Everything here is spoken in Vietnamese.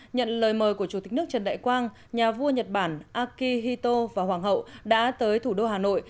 nhận lời mời của chủ tịch nước trần đại quang nhà vua nhật bản akihito và hoàng hậu đã tới thủ đô hà nội